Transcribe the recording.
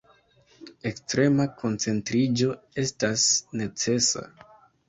Ekstrema koncentriĝo estas necesa.